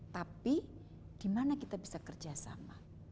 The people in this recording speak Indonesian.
tapi di mana kita bisa kerjasama